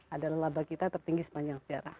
adalah laba kita tertinggi sepanjang sejarah